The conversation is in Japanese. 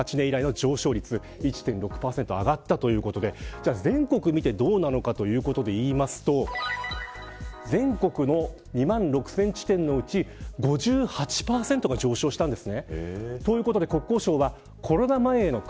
じゃあ全国を見てどうなのかということでいいますと全国の２万６０００地点のうち５８％が上昇したんです。